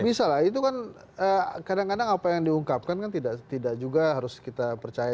bisa lah itu kan kadang kadang apa yang diungkapkan kan tidak juga harus kita percaya